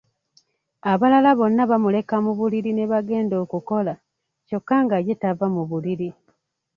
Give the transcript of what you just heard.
Abalala bonna bamuleka mu buliri ne bagenda okukola kyokka nga ye tava mu buliri.